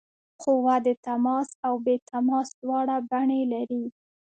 قوه د تماس او بې تماس دواړه بڼې لري.